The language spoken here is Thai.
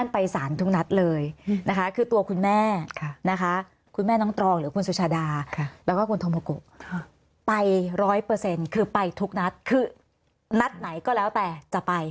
ไปร้อยเปอร์เซ็นต์คือไปทุกนัดคือนัดไหนก็แล้วแต่จะไป